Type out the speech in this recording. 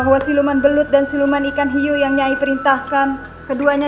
hamba hendak melupakan kebahagiaanku di dunia